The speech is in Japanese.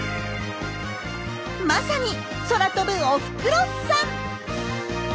まさに空飛ぶおふくろさん！